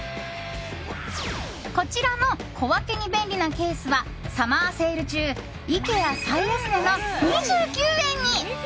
こちらの小分けに便利なケースはサマーセール中イケア最安値の２９円に。